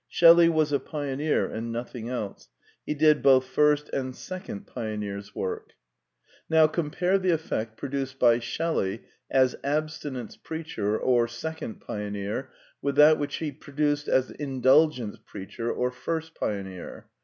Shelley was a pioneer and nothing else : he did both first and second pioneer's work. 2 The Quintessence of Ibsenism Now compare the effect produced by Shelley as abstinence preacher or second pioneer with that which he produced as indulgence preacher or first pioneer.